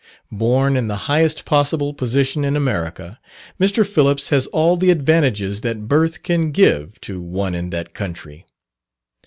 Born in the highest possible position in America, Mr. Phillips has all the advantages that birth can give to one in that country.